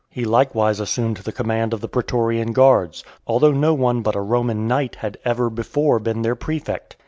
He likewise assumed the command of the pretorian guards, although no one but a Roman knight had ever before been their prefect.